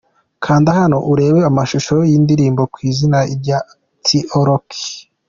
Kanda hano urebe amashusho y'indrimbo'Ku izima'ya T Rock.